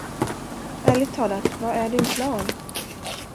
Ärligt talat, vad är din plan?